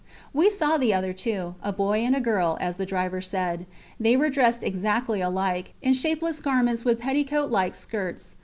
We saw the other two: a boy and a girl, as the driver said. They were dressed exactly alike, in shapeless garments with petticoat like skirts.